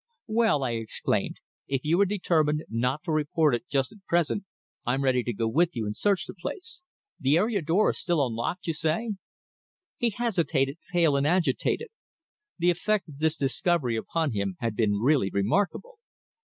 "Well," I exclaimed, "if you are determined not to report it just at present I'm ready to go with you and search the place. The area door is still unlocked, you say?" He hesitated, pale and agitated. The effect of this discovery upon him had been really remarkable.